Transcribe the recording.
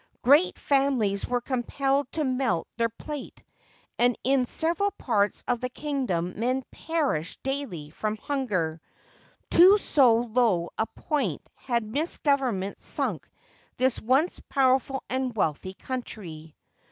Great families were compelled to melt their plate; and in several parts of the kingdom men perished daily from hunger. To so low a point had misgovernment sunk this once powerful and wealthy country.